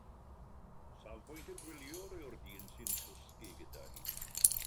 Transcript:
Safbwynt y gwyliwr yw'r dyn sy'n cysgu gyda hi.